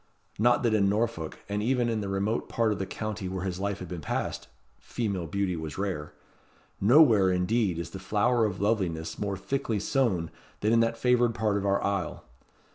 Not that in Norfolk, and even in the remote part of the county where his life had been passed, female beauty was rare. Nowhere, indeed, is the flower of loveliness more thickly sown than in that favoured part of our isle.